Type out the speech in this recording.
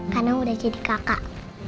karena udah jadi kakak